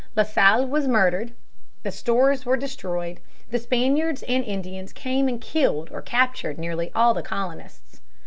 La Salle was murdered, the stores were destroyed, the Spaniards and Indians came and killed or captured nearly all the colonists.